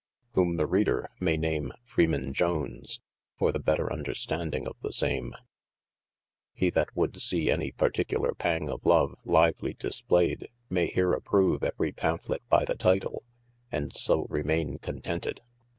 whome the reader may name Freeman Jones, for the better understanding of the same : he that would see any particuler pang of love lively displayed, may here approve every Pamphlet by the title, and so remaine contented.